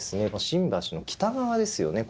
新橋の北側ですよね。